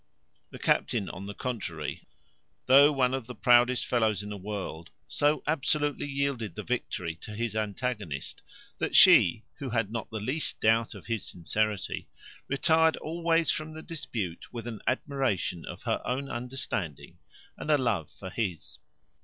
The captain, on the contrary, though one of the proudest fellows in the world, so absolutely yielded the victory to his antagonist, that she, who had not the least doubt of his sincerity, retired always from the dispute with an admiration of her own understanding and a love for his.